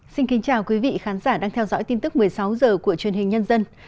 xin kính chào quý vị khán giả đang theo dõi tin tức một mươi sáu h của truyền hình nhân dân